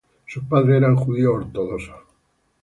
Sus padres eran judíos ortodoxos.